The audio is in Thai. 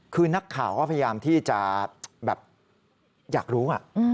คือนักข่าวก็พยายามที่จะแบบอยากรู้